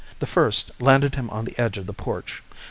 The first landed him upon the edge of the porch.